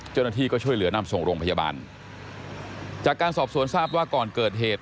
เจ้าหน้าที่ก็ช่วยเหลือนำส่งโรงพยาบาลจากการสอบสวนทราบว่าก่อนเกิดเหตุ